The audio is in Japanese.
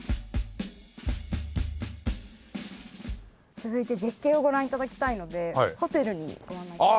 続いて絶景をご覧頂きたいのでホテルにご案内します。